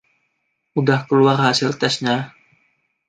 udah keluar hasil testnya?